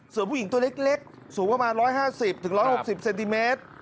ส่วนผู้หญิงตัวเล็กสูงประมาณ๑๕๐๑๖๐เซนติเมตร